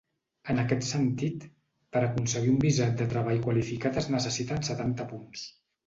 En aquest sentit, per aconseguir un visat de treball qualificat es necessiten setanta punts.